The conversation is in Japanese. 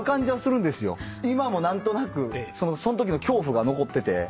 今も何となくそんときの恐怖が残ってて。